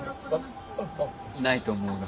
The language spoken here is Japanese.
ないと思うが。